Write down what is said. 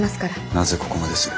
なぜここまでする？